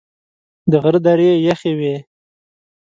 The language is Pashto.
د غره درې یخي وې .